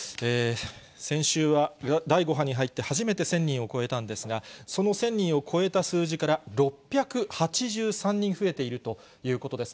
先週は第５波に入って初めて１０００人を超えたんですが、その１０００人を超えた数字から６８３人増えているということです。